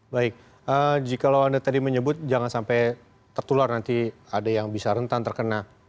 baik jika anda tadi menyebut jangan sampai tertular nanti ada yang bisa rentan terkena